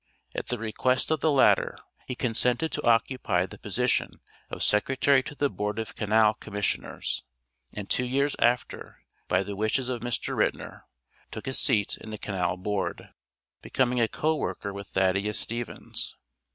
At the request of the latter, he consented to occupy the position of Secretary to the Board of Canal Commissioners, and two years after, by the wishes of Mr. Ritner, took a seat in the Canal Board, becoming a co worker with Thaddeus Stevens.